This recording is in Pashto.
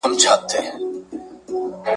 چي تر څو مي نوم یادیږي چي سندری مي شرنګیږي ,